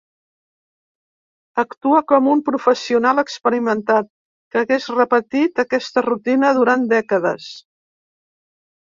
Actua com un professional experimentat que hagués repetit aquesta rutina durant dècades.